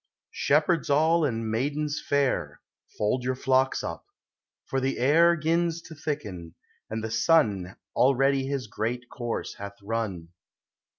Shepherds all, and maidens fair, Fold your Hocks up; for the air 'Gins to thicken, and (he sun Already his great course bath run.